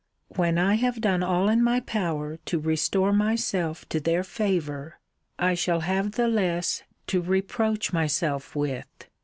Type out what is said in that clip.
When I have done all in my power to restore myself to their favour, I shall have the less to reproach myself with.